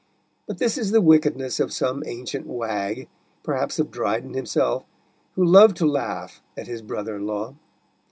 But this is the wickedness of some ancient wag, perhaps of Dryden himself, who loved to laugh at his brother in law.